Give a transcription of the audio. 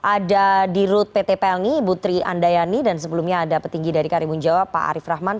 ada di rut pt pelni butri andayani dan sebelumnya ada petinggi dari karimunjawa pak arief rahman